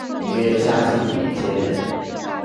约嘉庆年间人。